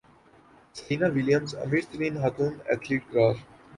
Serena Williams امیر ترین خاتون ایتھلیٹ قرار